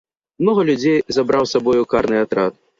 Многа людзей забраў з сабою карны атрад.